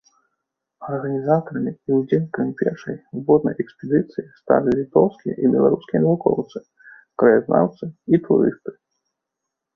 Арганізатарамі і ўдзельнікамі першай воднай экспедыцыі сталі літоўскія і беларускія навукоўцы, краязнаўцы і турысты.